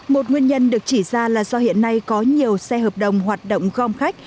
một nguyên nhân được chỉ ra là do hiện nay có nhiều xe hợp đồng hoạt động gom khách